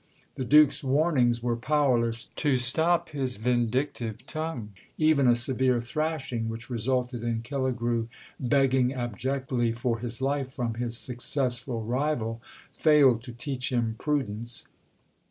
The Duke's warnings were powerless to stop his vindictive tongue; even a severe thrashing, which resulted in Killigrew begging abjectly for his life from his successful rival, failed to teach him prudence.